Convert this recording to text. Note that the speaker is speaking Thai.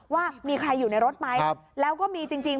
ว่ามีใครอยู่ในรถไหมแล้วก็มีจริง